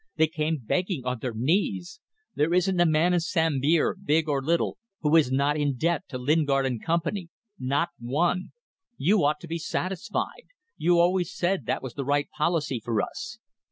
They came begging on their knees. There isn't a man in Sambir, big or little, who is not in debt to Lingard & Co. Not one. You ought to be satisfied. You always said that was the right policy for us.